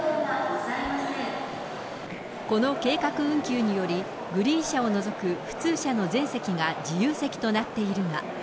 この計画運休により、グリーン車を除く普通車の全席が自由席となっているが。